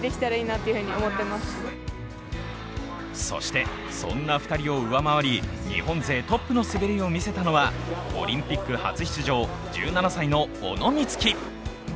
そして、そんな２人を上回り日本勢トップの滑りを見せたのはオリンピック初出場、１７歳の小野光希。